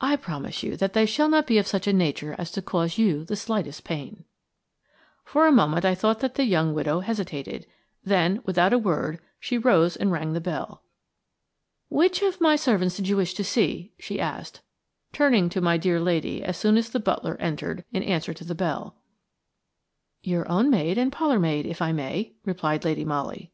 I promise you that they shall not be of such a nature as to cause you the slightest pain." For a moment I thought that the young widow hesitated, then, without a word, she rose and rang the bell. "Which of my servants did you wish to see?" she asked, turning to my dear lady as soon as the butler entered in answer to the bell. "Your own maid and your parlour maid, if I may," replied Lady Molly.